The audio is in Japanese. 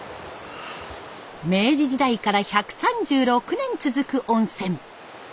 明治時代から１３６年続く温泉。